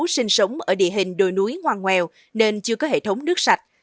sinh sống ở địa hình đồi núi hoàng ngoèo nên chưa có hệ thống nước sạch